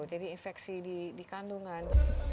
jadi infeksi di kandungan